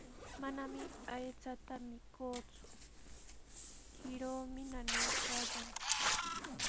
Manami aychata mikuuku, kiruumi nanaakullan.